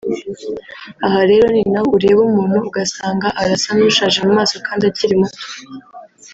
Aha rero ni naho ureba umuntu ugasanga arasa n’ushaje mu maso kandi akiri muto